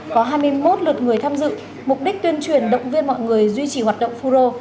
có hai mươi một lượt người tham dự mục đích tuyên truyền động viên mọi người duy trì hoạt động phun rô